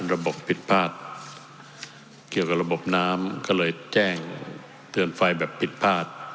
ระบบผิดพลาดเกี่ยวกับระบบน้ำก็เลยแจ้งเตือนไฟแบบผิดพลาด